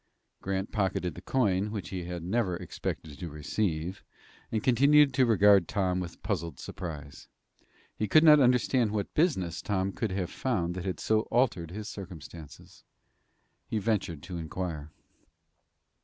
Grant pocketed the coin, which he had never expected to receive, and continued to regard Tom with puzzled surprise. He could not understand what business Tom could have found that had so altered his circumstances. He ventured to inquire.